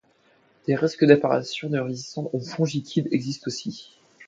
Des risques d'apparition de résistance aux fongicides existent aussi.